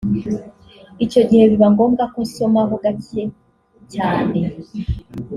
icyo gihe biba ngombwa ko nsomaho gake cyane